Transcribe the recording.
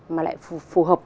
mà lại phù hợp